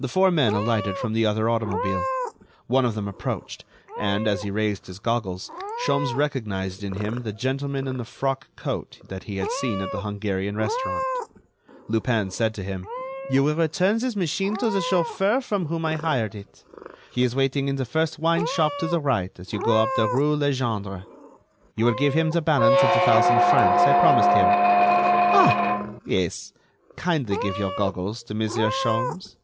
The four men alighted from the other automobile. One of them approached, and, as he raised his goggles, Sholmes recognized in him the gentleman in the frock coat that he had seen at the Hungarian restaurant. Lupin said to him: "You will return this machine to the chauffeur from whom I hired it. He is waiting in the first wine shop to the right as you go up the rue Legendre. You will give him the balance of the thousand francs I promised him.... Ah! yes, kindly give your goggles to Monsieur Sholmes."